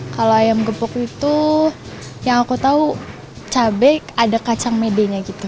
kalau ayam gepuk itu yang aku tahu cabai ada kacang medenya gitu